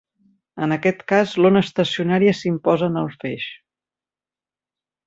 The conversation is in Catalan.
En aquest cas l'ona estacionària s'imposa en el feix.